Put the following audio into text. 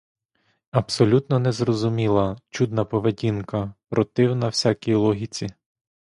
Абсолютно незрозуміла, чудна поведінка, противна всякій логіці.